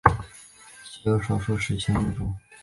其下有少数史前物种。